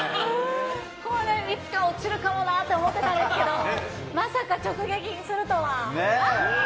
これ、いつか落ちるかもなって思ってたんですけど、まさか直撃するとは。